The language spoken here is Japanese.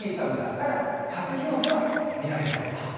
ただ、初日の出は見られそうです、東京。